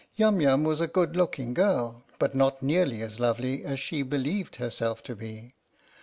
Yum Yum was a good looking girl, but not nearly as lovely as she believed herself to be.